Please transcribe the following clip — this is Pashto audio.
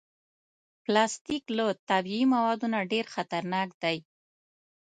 پلاستيک له طبعي موادو نه ډېر خطرناک دی.